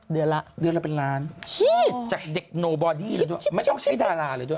เดือนละเป็นล้านจากเด็กโนบอดี้ไม่ต้องใช้ดาราเลยด้วย